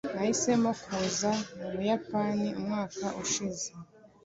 Nahisemo kuza mu Buyapani umwaka ushize.